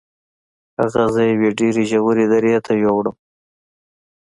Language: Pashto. هغه زه یوې ډیرې ژورې درې ته یووړم.